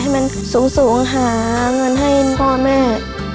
ให้มันสูงหามันให้กล้ามแม่